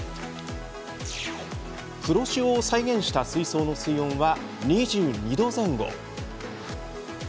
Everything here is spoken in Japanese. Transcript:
黒潮を再現した水槽の水温は２２度前後。